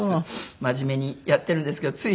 真面目にやってるんですけどついね